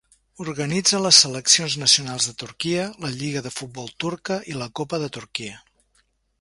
Organitza les seleccions nacionals de Turquia, la lliga de futbol turca i la Copa de Turquia.